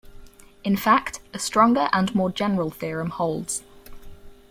In fact, a stronger and more general theorem holds.